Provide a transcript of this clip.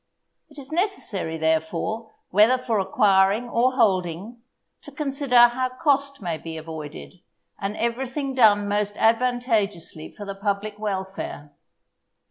It is necessary, therefore, whether for acquiring or holding, to consider how cost may be avoided, and everything done most advantageously for the public welfare.